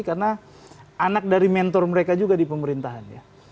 karena anak dari mentor mereka juga di pemerintahannya